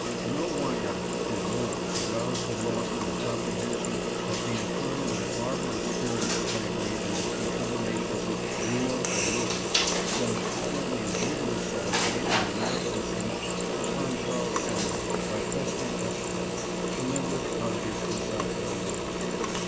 No one act did more to rouse the North to a comprehension of the infernal and barbarous spirit of slavery and its determination to " rule or ruin," than the cowardly and brutal assault made in the American Senate upon Charles Sumner, by Preston S. Brooks, a member of Congress from South Carolina.